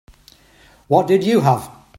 What did you have?